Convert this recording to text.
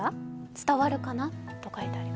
伝わるかな？」と書いてあります